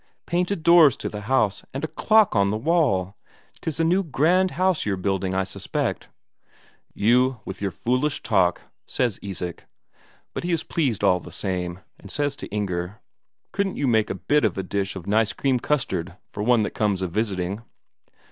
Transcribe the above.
Painted doors to the house, and a clock on the wall 'tis a new grand house you're building, I suspect." "You, with your foolish talk ..." says Isak. But he is pleased all the same, and says to Inger: "Couldn't you make a bit of a dish of nice cream custard for one that comes a visiting?"